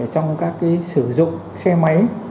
trong các sử dụng xe máy